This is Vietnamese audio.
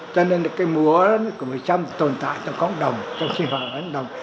cho nên múa của người trăm tồn tại trong cộng đồng trong sinh hoạt của cộng đồng